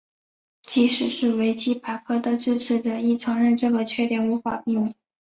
即使是维基百科的支持者亦承认这个缺点无法避免。